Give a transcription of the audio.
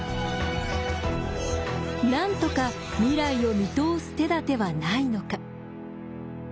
なんとか未来を見通す手立てはないのか。